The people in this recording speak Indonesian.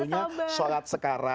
kita udah sholat sekarang